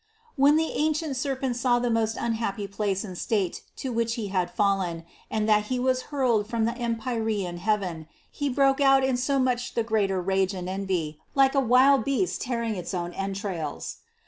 When the ancient serpent saw 116 THE CONCEPTION 117 the most unhappy place and state to which he had fal len, and that he was hurled from the empyrean heaven, he broke out in so much the greater rage and envy, like a wild beast tearing its own entrails.